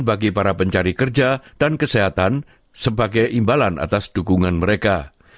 bagi para pencari kerja dan kesehatan sebagai imbalan atas dukungan mereka